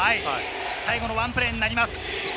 最後のワンプレーになります。